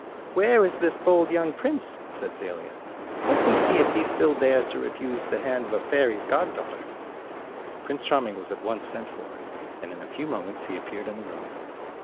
"Where is this bold young prince?" said Zelia. "Let me see if he still dares to refuse the hand of a fairy's goddaughter." Prince Charming was at once sent for, and in a few moments he appeared in the room.